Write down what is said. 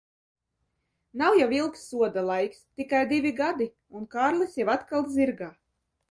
Nav jau ilgs soda laiks, tikai divi gadi, un Kārlis jau atkal zirgā.